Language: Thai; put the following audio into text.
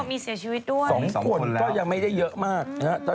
๒คนก็ยังไม่ได้เยอะมาก